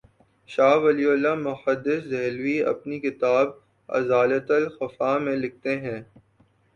شاہ ولی اللہ محدث دہلوی اپنی کتاب ”ازالتہ الخفا ء“ میں لکھتے ہیں